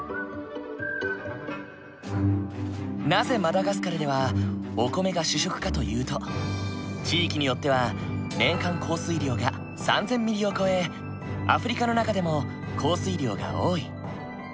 なぜマダガスカルではお米が主食かというと地域によっては年間降水量が３，０００ｍｍを超えアフリカの中でも降水量が多い。